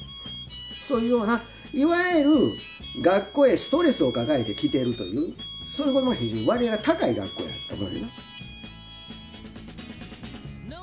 そういうようないわゆる学校へストレスを抱えて来てるというそういう子の割合が高い学校やったと思うねんな。